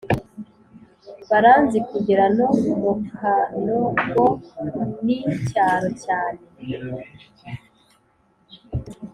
baranzi kugera no mukanogon’ icyaro cyane